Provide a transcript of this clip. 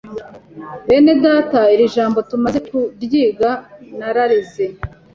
Bene data iri jambo tumaze kuryiga nararize